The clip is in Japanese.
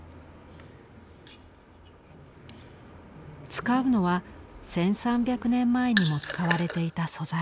使うのは１，３００年前にも使われていた素材。